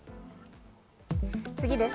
次です。